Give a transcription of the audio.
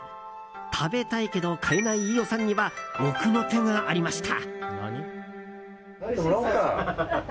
食べたいけど買えない飯尾さんには奥の手がありました。